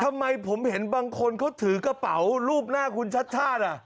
ทำไมผมเห็นบางคนเขาถือกระเป๋ารูปหน้าคุณชัดชาติ